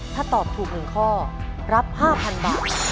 ถ้าตอบถูก๑ข้อรับ๕๐๐๐บาท